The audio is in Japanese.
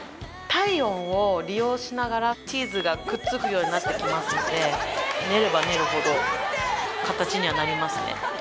体温を利用しながらチーズがくっつくようになって来ますので練れば練るほど形にはなりますね。